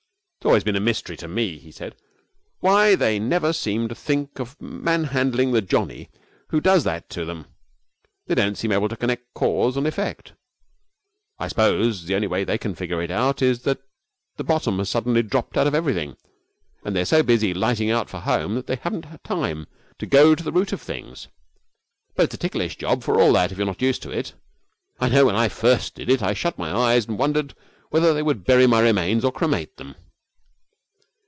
'It has always been a mystery to me,' he said, 'why they never seem to think of manhandling the Johnny who does that to them. They don't seem able to connect cause and effect. I suppose the only way they can figure it out is that the bottom has suddenly dropped out of everything, and they are so busy lighting out for home that they haven't time to go to the root of things. But it's a ticklish job, for all that, if you're not used to it. I know when I first did it I shut my eyes and wondered whether they would bury my remains or cremate them.'